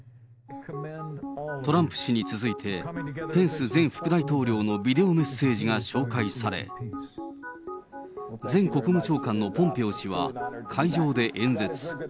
トランプ氏に続いて、ペンス前副大統領のビデオメッセージが紹介され、前国務長官のポンペオ氏は会場で演説。